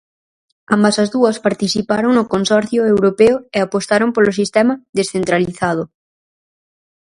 Ambas as dúas participaron no consorcio europeo e apostaron polo sistema descentralizado.